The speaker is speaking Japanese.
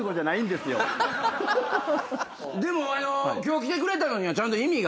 でも今日来てくれたのにはちゃんと意味があって。